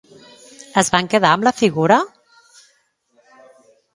Es van quedar amb la figura?